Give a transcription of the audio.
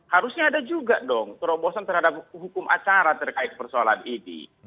harusnya ada juga dong terobosan terhadap hukum acara terkait persoalan ini